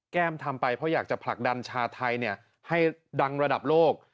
แก้มทำไปเพราะอยากจะผลักดันชาวไทยให้ดังระดับโลก